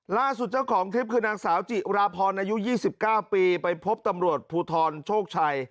ล่าสุดเจ้าของคลิปคือนางสาวจิราพรอายุ๒๙ปีไปพบตำรวจภูทรโชคชัย